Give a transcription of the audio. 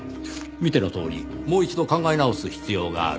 見てのとおりもう一度考え直す必要がある。